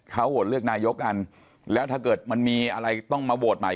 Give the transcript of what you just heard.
เขาโหวตเลือกนายกกันแล้วถ้าเกิดมันมีอะไรต้องมาโหวตใหม่